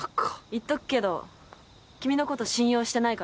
言っとくけど君のこと信用してないからね。